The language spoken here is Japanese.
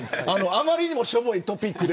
あまりにもしょぼいトピックで。